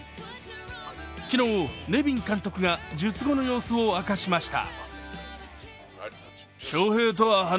昨日、ネビン監督が術後の様子を明かしました。